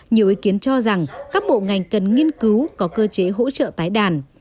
nhiều ý kiến cho rằng các bộ ngành cần nghiên cứu có cơ chế hỗ trợ tái đàn